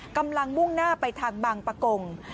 กำลังมุ่งหน้าไปทางบางปะกง